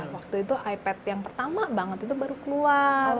waktu itu ipad yang pertama banget itu baru keluar